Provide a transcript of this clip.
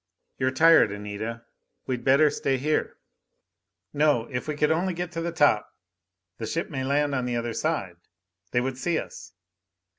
"You're tired, Anita. We'd better stay here." "No. If we could only get to the top the ship may land on the other side they would see us."